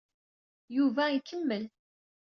Yuba ikemmel.